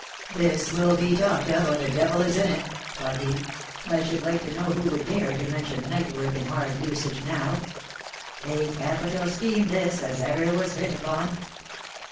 "This will be talked of, or the devil is in it," thought he. "I should like to know who would dare to mention night work and hard usage now. A capital scheme this, as ever was hit upon."